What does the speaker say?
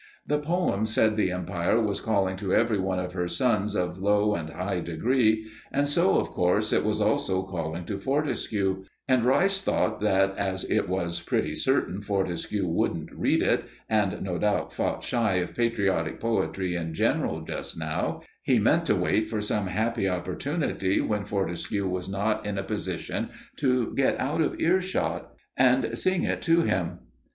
The poem said the Empire was calling to every one of her sons of low and high degree, and so, of course, it was also calling to Fortescue; and Rice thought that as it was pretty certain Fortescue wouldn't read it, and, no doubt, fought shy of patriotic poetry in general just now, he meant to wait for some happy opportunity when Fortescue was not in a position to get out of earshot and sing it to him.